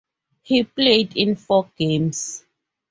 He played in four games.